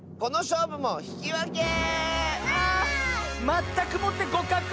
まったくもってごかく！